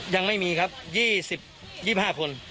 ยังไม่มีครับ๒๕คน